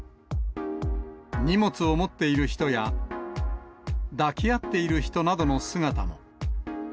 荷物を持っている人や、抱き合っている人などの姿も。